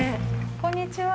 こんにちは。